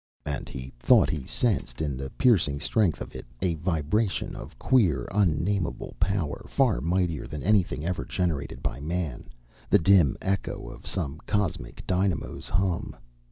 And he thought he sensed in the piercing strength of it a vibration of queer, unnamable power far mightier than anything ever generated by man, the dim echo of some cosmic dynamo's hum.